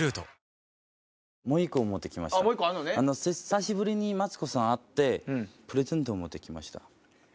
久しぶりにマツコさん会ってプレゼントを持って来ました。